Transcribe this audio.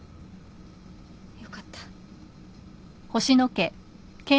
よかった。